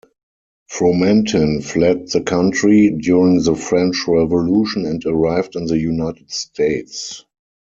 Fromentin fled the country during the French Revolution and arrived in the United States.